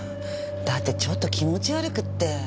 だってちょっと気持ち悪くって。